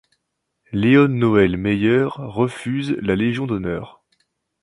Léone-Noëlle Meyer refuse la Légion d'honneur.